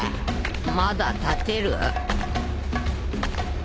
まだ立てる？